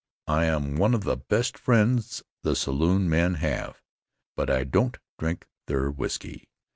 I'm one of the best friends the saloon men have but I don't drink their whisky.